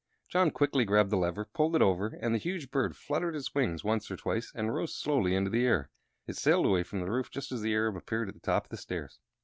John quickly grabbed the lever, pulled it over, and the huge bird fluttered its wings once or twice and rose slowly into the air. It sailed away from the roof just as the Arab appeared at the top of the stairs.